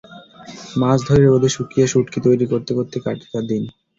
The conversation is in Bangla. মাছ ধরে রোদে শুকিয়ে শুঁটকি তৈরি করতে করতে কাটত তাঁর দিন।